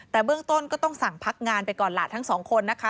แต่เบื้องต้นก็ต้องสั่งพักงานไปก่อนล่ะทั้งสองคนนะคะ